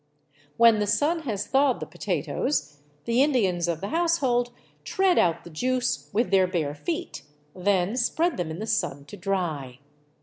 When the sun has thawed the potatoes, the Indians of the household tread out the juice withj their bare feet, then spread them in the sun to dry.